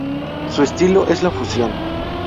Su estilo es la fusión.